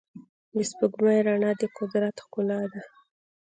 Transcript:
د سپوږمۍ رڼا د قدرت ښکلا ده.